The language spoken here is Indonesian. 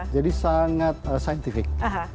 jadi sangat saintifik